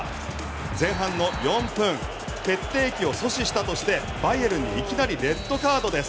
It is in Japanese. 前半の４分決定機を阻止したとしてバイエルンにいきなりレッドカードです。